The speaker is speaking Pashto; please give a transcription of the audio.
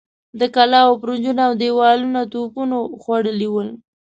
د کلاوو برجونه اودېوالونه توپونو خوړلي ول.